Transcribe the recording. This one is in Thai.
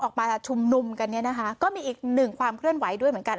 ออกมาชุมนุมกันเนี่ยนะคะก็มีอีกหนึ่งความเคลื่อนไหวด้วยเหมือนกัน